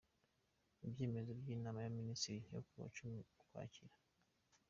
Ibyemezo by’inama y’Abaminisitiri yo kuwa cumi Ukwakira